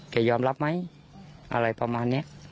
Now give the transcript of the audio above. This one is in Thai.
ยอมรับไหมอะไรประมาณนี้